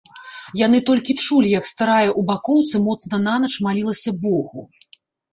Яны толькі чулі, як старая ў бакоўцы моцна нанач малілася богу.